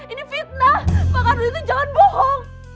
ini fitnah mbak kardun itu jangan bohong